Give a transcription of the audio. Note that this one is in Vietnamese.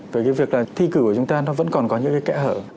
về cái việc là thi cử của chúng ta nó vẫn còn có những cái kẽ hở